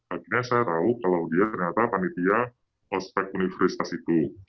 akhirnya saya tahu kalau dia ternyata panitia ospek universitas itu